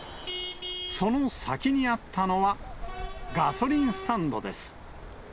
その先にあったのはガソリンスタンドです。